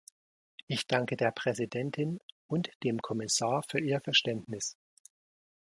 Ich danke der Präsidentin und dem Kommissar für ihr Verständnis.